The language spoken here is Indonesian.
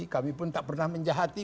kami pun tak pernah menjahati